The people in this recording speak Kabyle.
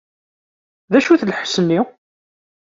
D acu-t lḥess-nni?